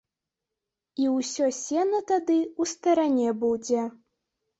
І ўсё сена тады ў старане будзе.